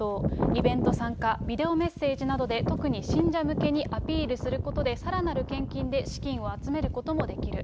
イベント参加、ビデオメッセージなどで、特に信者向けにアピールすることで、さらなる献金で資金を集めることもできる。